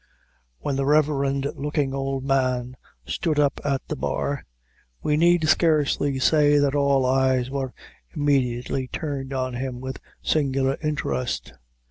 When the reverend looking old man stood up at the bar, we need scarcely say that all eyes were immediately turned on him with singular interest.